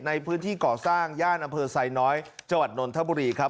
ในพื้นที่ก่อสร้างย่านอำเภอไซน้อยจังหวัดนนทบุรีครับ